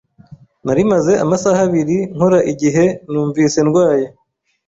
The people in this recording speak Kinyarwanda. Nari maze amasaha abiri nkora igihe numvise ndwaye.